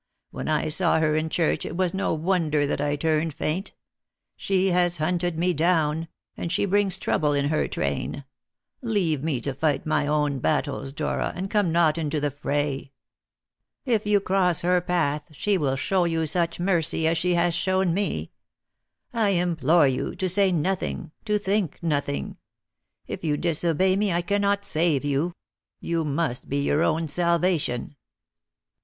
When I saw her in church it was no wonder that I turned faint. She has hunted me down; and she brings trouble in her train. Leave me to fight my own battles, Dora, and come not into the fray. If you cross her path she will show you such mercy as she has shown me. I implore you to say nothing, to think nothing. If you disobey me I cannot save you; you must be your own salvation."